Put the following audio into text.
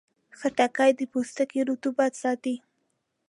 خټکی د پوستکي رطوبت ساتي.